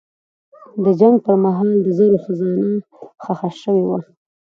د جنګ پر مهال د زرو خزانه ښخه شوې وه.